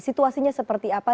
situasinya seperti apa